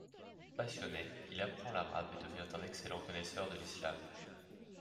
Passionné, il apprend l'arabe et devient un excellent connaisseur de l'islam.